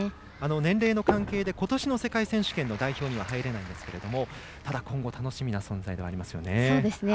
年齢の関係でことしの世界選手権の代表には入れないんですけれどもただ今後楽しみな存在ではありますよね。